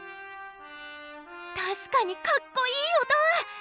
確かにかっこいい音！